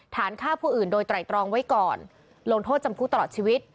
ฐานฆ่าผู้อื่นโดยไตรตรองไว้ก่อนลงโทษจำคุกตลอดชีวิต